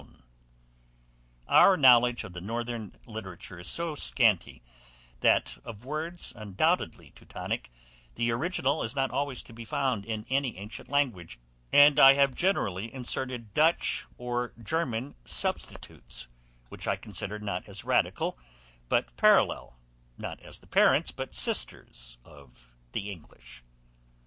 ] Our knowledge of the northern literature is so scanty, that of words undoubtedly Teutonick the original is not always to be found in any ancient language; and I have therefore inserted Dutch or German substitutes, which I consider not as radical but parallel, not as the parents, but sisters of the English.